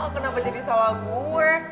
kenapa jadi salah gue